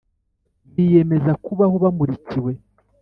biyemeza kubaho bamurikiwe